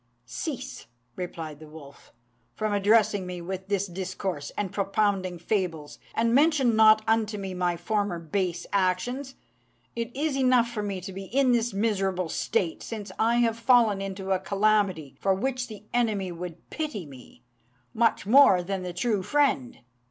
"Cease," replied the wolf, "from addressing me with this discourse, and propounding fables, and mention not unto me my former base actions. It is enough for me to be in this miserable state, since I have fallen into a calamity for which the enemy would pity me, much more the true friend.